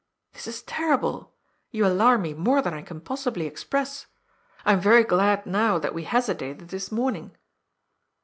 This is terrible. You alarm me more than I can possibly express. I am very glad now that we hesitated this morning."